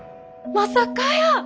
まさかやー！